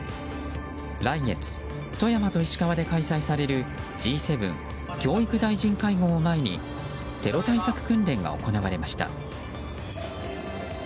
来月、富山と石川で開催されるＧ７教育大臣会合を前にテロ対策訓練が行われました。